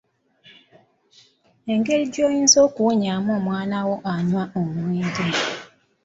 Engeri gy’oyinza okuwonyaamu omwana wo anywa omwenge